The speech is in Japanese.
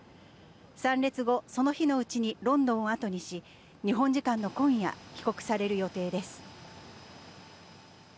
参列後、その日のうちにロンドンを後にし、日本時間の今夜、帰国される予定です。